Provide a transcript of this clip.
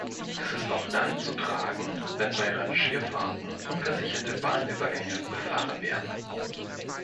Es ist auch dann zu tragen wenn bei Rangierfahrten ungesicherte Bahnübergänge befahren werden.